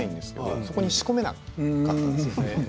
そこに仕込めなかったんですね。